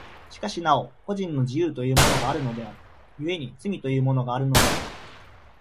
しかしなお個人の自由というものがあるのである、故に罪というものがあるのである。